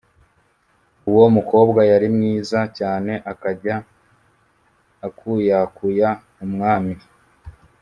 Uwo mukobwa yari mwiza cyane, akajya akuyakuya umwami